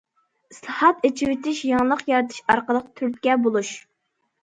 ئىسلاھات، ئېچىۋېتىش، يېڭىلىق يارىتىش ئارقىلىق تۈرتكە بولۇش.